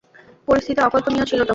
পরিস্থিতি অকল্পনীয় ছিল তখন।